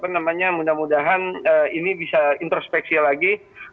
jadi mudah mudahan ini bisa introspeksi lagi